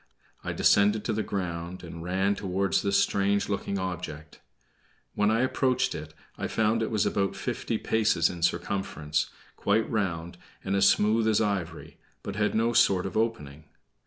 I descended to the ground, and ran toward this strange looking object. When I approached it I found it was about fifty paces in circumference, quite round, and as smooth as ivory, but had no sort of opening.